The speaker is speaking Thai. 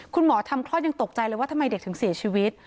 คุณหมอทำคลอดยังตกใจเลยว่าทำไมเด็กถึงเสียชีวิต